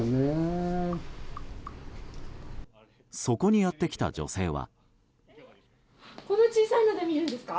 そこにやってきた女性は。